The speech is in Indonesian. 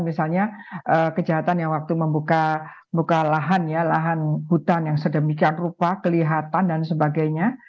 misalnya kejahatan yang waktu membuka lahan ya lahan hutan yang sedemikian rupa kelihatan dan sebagainya